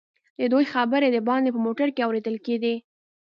ددوئ خبرې دباندې په موټر کې اورېدل کېدې.